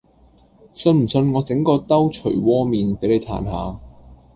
信唔信我整個兜捶窩面俾你嘆下